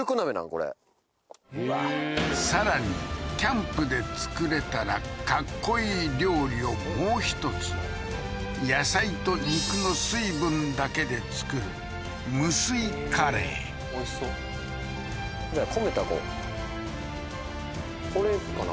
これさらにキャンプで作れたらかっこいい料理をもう一つ野菜と肉の水分だけで作る無水カレーおいしそうこれかな？